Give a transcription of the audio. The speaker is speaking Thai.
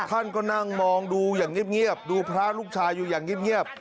ท่านก็นั่งมองดูอย่างเงียบดูพระลูกชายอยู่อย่างเงียบ